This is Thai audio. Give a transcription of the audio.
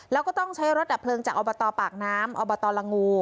แล้วก็ต้องใช้รถดับเพลิงจากอบตปากน้ำอบตละงู